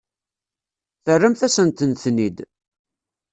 Terramt-asent-ten-id.